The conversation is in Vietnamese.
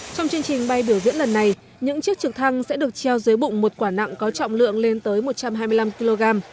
trong chương trình bay biểu diễn lần này những chiếc trực thăng sẽ được treo dưới bụng một quả nặng có trọng lượng lên tới một trăm hai mươi năm kg